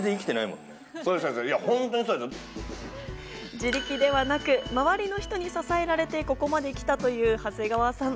自力ではなく、周りの人に支えられてここまで来たという長谷川さん。